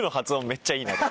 めっちゃいいなと。